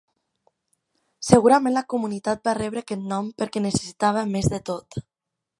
Segurament la comunitat va rebre aquest nom perquè necessitava més de tot.